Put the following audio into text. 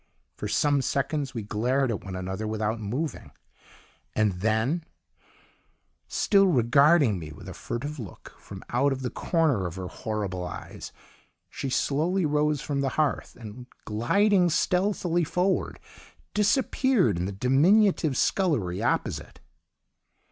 "For some seconds we glared at one another without moving, and then, still regarding me with a furtive look from out of the corner of her horrible eyes, she slowly rose from the hearth, and gliding stealthily forward, disappeared in the diminutive scullery opposite.